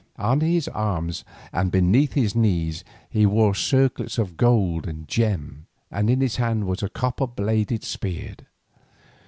On his arms, and beneath his knees, he wore circlets of gold and gems, and in his hand was a copper bladed spear.